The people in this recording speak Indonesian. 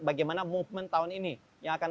bagaimana movement tahun ini yang akan